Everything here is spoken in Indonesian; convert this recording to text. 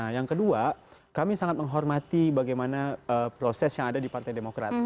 yang kedua kami sangat menghormati bagaimana proses yang ada di partai demokrat